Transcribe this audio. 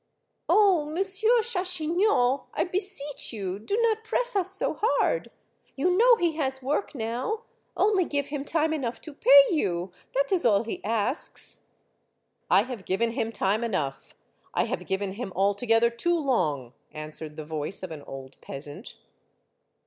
" Oh, Monsieur Chachignot, I beseech you, do not press us so hard. You know he has work now. Only give him time enough to pay you. That is all he asks." " I have given him time enough ; I have given him altogether too long," answered the voice of an old peasant.